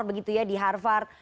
begitu ya di harvard